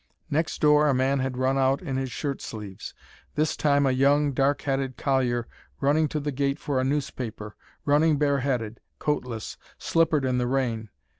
Next door a man had run out in his shirt sleeves: this time a young, dark headed collier running to the gate for a newspaper, running bare headed, coatless, slippered in the rain.